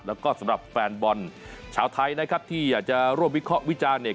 แล้วก็สำหรับแฟนบอลชาวไทยนะครับที่อยากจะร่วมวิเคราะห์วิจารณ์เนี่ย